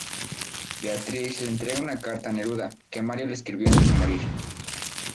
Beatrice le entrega una carta a Neruda que Mario le escribió antes de morir.